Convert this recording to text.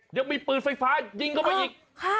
เดี๋ยวมีปืนไฟฟ้ายิงเข้าไปอีก